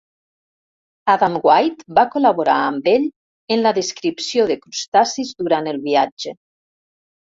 Adam White va col·laborar amb ell en la descripció de crustacis durant el viatge.